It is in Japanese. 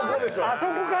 あそこか！